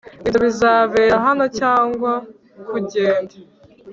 ibyo bizabera hano cyangwa kugenda